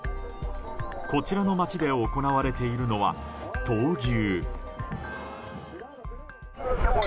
こちらの街で行われているのは闘牛。